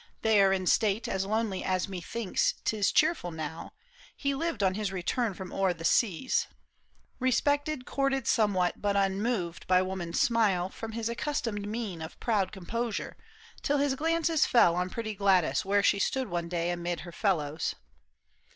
There in state As lonely as methinks 'tis cheerful now. He lived on his return from o'er the seas, Respected, courted somewhat, but unmoved By woman's smile from his accustomed mien Of proud composure, till his glances fell On pretty Gladys where she stood one day Amid her fellows.